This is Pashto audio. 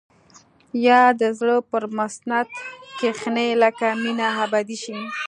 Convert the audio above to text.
يا د زړه پر مسند کښيني لکه مينه ابدي شي.